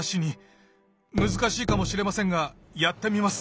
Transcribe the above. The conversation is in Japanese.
難しいかもしれませんがやってみます。